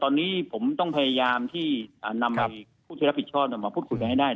ตอนนี้ผมต้องพยายามที่นำผู้ที่รับผิดชอบมาพูดคุยกันให้ได้